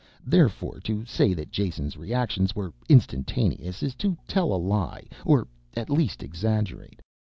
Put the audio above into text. Therefore to say that Jason's reactions were instantaneous is to tell a lie, or at least exaggerate.